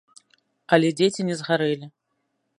Але дзеці не згарэлі.